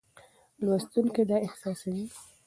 لوستونکی دا احساسوي.